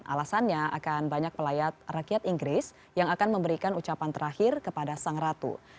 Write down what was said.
alasannya akan banyak pelayat rakyat inggris yang akan memberikan ucapan terakhir kepada sang ratu